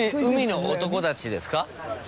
海の男たちですか？